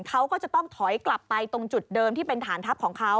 เขาก็จะต้องถอยกลับไปตรงจุดเดิมที่เป็นฐานทัพของเขา